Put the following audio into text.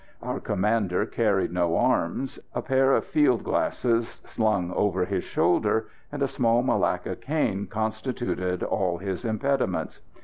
Our commander carried no arms; a pair of field glasses slung over his shoulder, and a small malacca cane, constituted all his impedimenta.